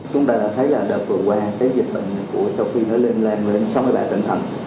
chúng ta đã thấy là đợt vừa qua cái dịch bệnh của châu phi nó lên lên sáu mươi ba tỉnh thành